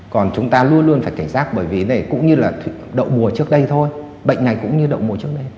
còn chúng ta luôn luôn phải cảnh giác bởi vì này cũng như là đậu mùa trước đây thôi bệnh này cũng như đậu mùa trước đây